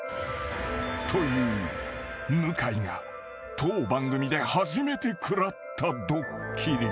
［という向井が当番組で初めて食らったドッキリ］